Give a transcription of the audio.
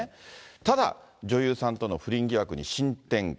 ただ、女優さんとの不倫疑惑に新展開。